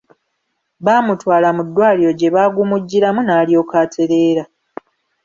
Baamutwala mu ddwaliro gye baagumugiramu n'alyoka atereera.